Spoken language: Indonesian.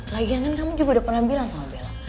lagian kan kamu juga udah pernah bilang sama bella